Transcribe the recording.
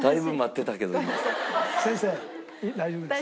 先生大丈夫ですよ。